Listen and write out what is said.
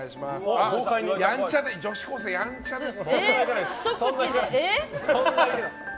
女子高生、やんちゃです。